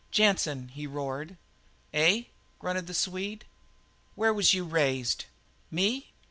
"Jansen!" he roared. "Eh?" grunted the Swede. "Where was you raised?" "Me?"